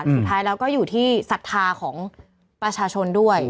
สุดท้ายแล้วก็อยู่ที่ศรัทธาของประชาชนด้วย